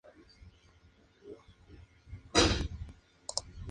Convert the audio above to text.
Crece en pinares y en brezales.